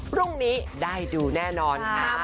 พรุ่งนี้ได้ดูแน่นอนค่ะ